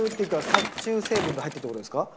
殺虫成分が入ってるってことですか？